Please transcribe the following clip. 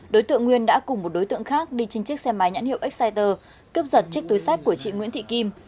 đối tượng nguyên đã cùng một đối tượng khác đi trên chiếc xe máy nhãn hiệu exciter cướp giật chiếc túi sách của chị nguyễn thị kim